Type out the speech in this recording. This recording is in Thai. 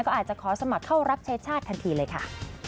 ก็อาจจะขอสมัครเข้ารับใช้ชาติทันทีเลยค่ะ